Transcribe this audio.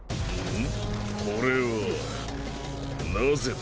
ん？